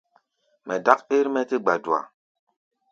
Mɛ dák ɛ́r-mɛ́ tɛ́ gbadua.